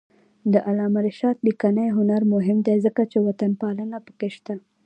د علامه رشاد لیکنی هنر مهم دی ځکه چې وطنپالنه پکې شته.